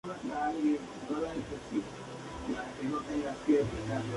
Generalmente, estos eventos concluyen con el tradicional lanzamiento de faroles luminosos encendidos.